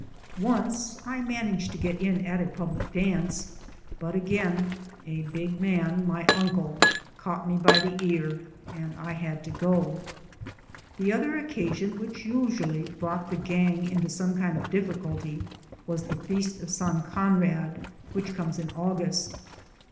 Once I managed to get in at a public dance, but again a big man, my uncle, caught me by the ear, and I had to go. The other occasion which usually brought the "gang" into some kind of difficulty was the feast of San Conrad, which comes in August.